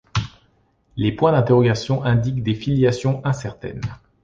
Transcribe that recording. Les points d'interrogation indiquent des filiations incertaines.